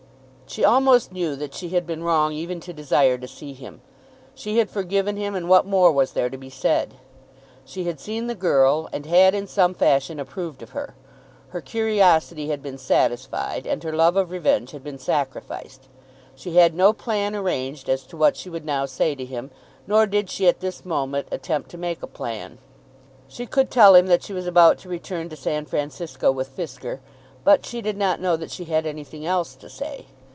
She almost knew that she had been wrong even to desire to see him. She had forgiven him, and what more was there to be said? She had seen the girl, and had in some fashion approved of her. Her curiosity had been satisfied, and her love of revenge had been sacrificed. She had no plan arranged as to what she would now say to him, nor did she at this moment attempt to make a plan. She could tell him that she was about to return to San Francisco with Fisker, but she did not know that she had anything else to say.